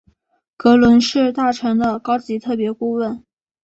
格伦是大臣的高级特别顾问。